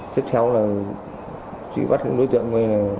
tiếp theo là trí bắt những đối tượng